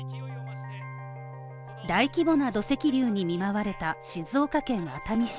大規模な土石流に見舞われた静岡県熱海市